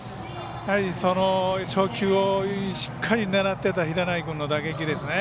その初球をしっかり狙った平内君の打撃ですね。